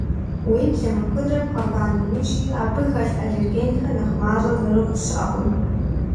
Уеблэмэ, куэдрэ бгъэва нэужьи, абы хэлъ аллергенхэр нэхъ мащӏэ зэрыхъу щыӏэкъым.